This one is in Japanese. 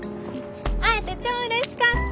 会えて超うれしかった！